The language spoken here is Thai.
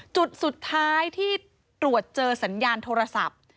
จุดสุดท้ายที่ตรวจเจอสัญญาณโทรศัพท์